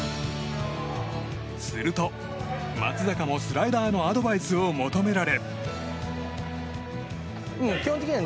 すると、松坂もスライダーのアドバイスを求められ。